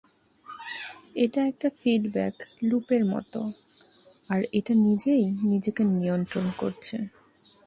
এটা একটা ফিডব্যাক লুপের মতো, আর এটা নিজেই নিজেকে নিয়ন্ত্রণ করছে।